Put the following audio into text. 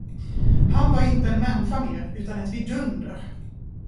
Han var inte en människa mer, utan ett vidunder.